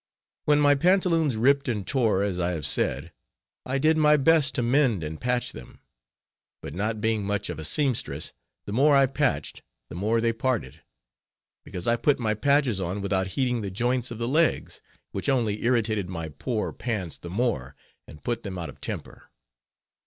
When my pantaloons ripped and tore, as I have said, I did my best to mend and patch them; but not being much of a sempstress, the more I patched the more they parted; because I put my patches on, without heeding the joints of the legs, which only irritated my poor pants the more, and put them out of temper.